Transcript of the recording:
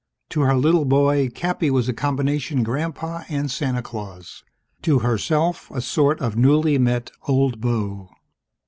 To her little boy, Cappy was a combination Grandpa and Santa Claus; to herself, a sort of newly met Old Beau.